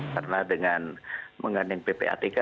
karena dengan mengandeng ppatk